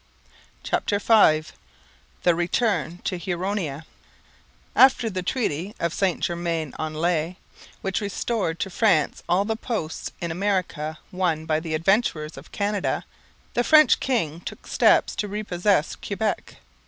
CHAPTER V THE RETURN TO HURONIA After the Treaty of St Germain en Laye, which restored to France all the posts in America won by the Adventurers of Canada, the French king took steps to repossess Quebec.